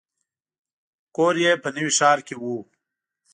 کور یې په نوي ښار کې و.